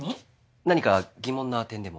何か疑問な点でも？